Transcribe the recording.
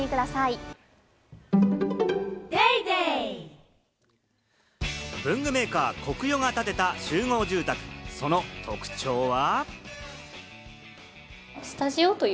「ハミングフレア」文具メーカー・コクヨが建てた集合住宅、その特徴は。